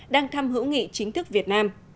đang thăm hữu nghị chính thức việt nam